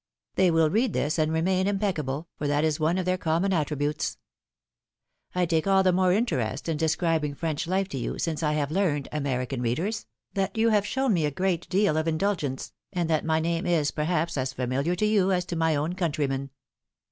They will read this and remain impeccable, for that is one of their com mon attributes. I take all the more interest in describing French life to you, since I have learned, American readers, that you have shown me a great deal of indulgence, and that my name is, perhaps, as familiar to you, as to my own countrymen.